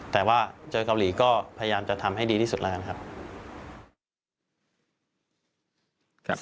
แต่ว่าเจอเกาหลีก็พยายามจะทำให้ดีที่สุดแล้วกันครับ